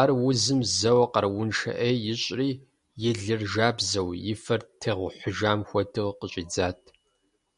Ар узым зэуэ къарууншэ Ӏеи ищӏри, и лыр жабзэу и фэр тегъухьыжам хуэдэу къыщӀидзат.